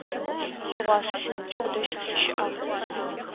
Тыгъуасэ синыбджэгъу дэжь сыщыӏагъ.